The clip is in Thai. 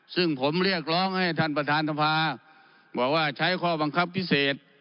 ซึ่งผมเรียกร้องให้ท่านประธานสภาบอกว่าใช้ข้อบังคับพิเศษ